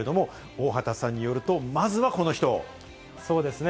大畑さんによると、まずはこそうですね。